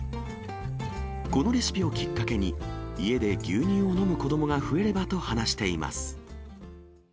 このレシピをきっかけに、家で牛乳を飲む子どもが増えればと話しています。